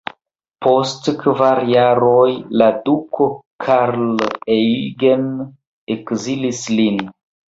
Post kvar jaroj la duko Karl Eugen ekzilis lin.